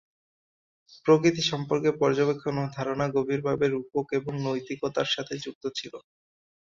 প্রকৃতি সম্পর্কে পর্যবেক্ষণ ও ধারণা গভীরভাবে রূপক এবং নৈতিকতার সাথে যুক্ত ছিল।